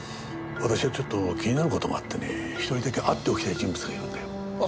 私はちょっと気になる事があってね１人だけ会っておきたい人物がいるんだよ。